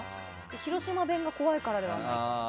広島弁が怖いからではないか。